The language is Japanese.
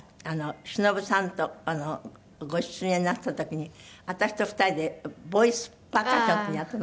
しのぶさんとご出演なさった時に私と２人でボイスパーカッションってやったの覚えてる？